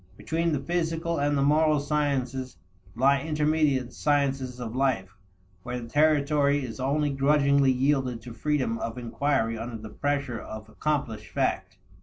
Between the physical and the moral sciences, lie intermediate sciences of life, where the territory is only grudgingly yielded to freedom of inquiry under the pressure of accomplished fact.